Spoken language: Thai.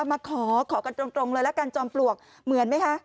มาขอกันตรงตรงเลยแล้วกันจอมปลวกเหมือนไหมค่ะ